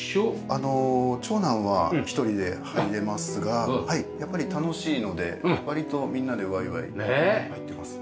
あの長男は１人で入れますがやっぱり楽しいので割とみんなでワイワイしながら入ってます。